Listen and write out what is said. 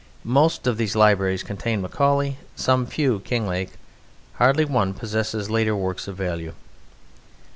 Most of these libraries contain Macaulay; some few Kinglake; hardly one possesses later works of value.